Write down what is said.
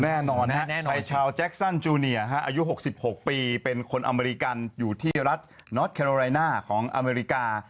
แน่นอนนะชาวแจ็คซันจูนิออายุ๖๖ปีเป็นคนอเมริกันอยู่ที่รัฐนอร์ทแคโลไลน่าของอเมริกา